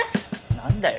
何だよ？